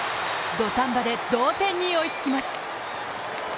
土壇場で同点に追いつきます。